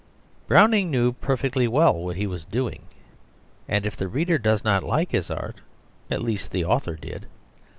Browning knew perfectly well what he was doing; and if the reader does not like his art, at least the author did.